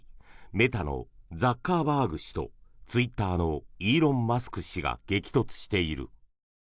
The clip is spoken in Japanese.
メタのザッカーバーグ氏とツイッターのイーロン・マスク氏が激突している。